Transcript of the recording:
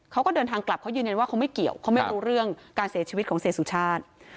เขาก็เดินทางกลับเขายืนยันว่าเขาไม่เกี่ยวเขาไม่รู้เรื่องการเสียชีวิตของเสียสุชาติ